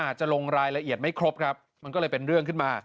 อาจจะลงรายละเอียดไม่ครบครับมันก็เลยเป็นเรื่องขึ้นมา